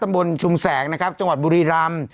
ตำบลชุมแสงนะครับจังหวัดบุรีรันดร์